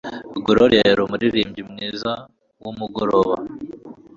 Gloria yari umuririmbyi mwiza wumugoroba.